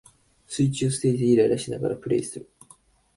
水中ステージでイライラしながらプレイする